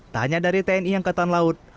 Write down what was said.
tanya dari tni angkatan laut